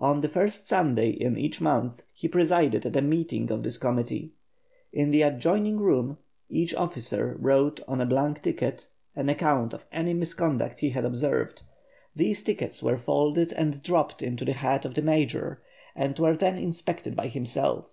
On the first Sunday in each month he presided at a meeting of this committee. In an adjoining room each officer wrote on a blank ticket an account of any misconduct he had observed. These tickets were folded and dropped into the hat of the Major, and were then inspected by himself.